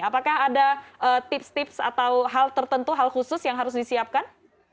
apakah ada tips tips atau hal tertentu hal khusus yang harus disiapkan